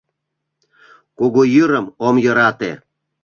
— Кугу йӱрым ом йӧрате.